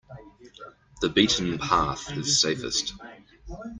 The beaten path is safest.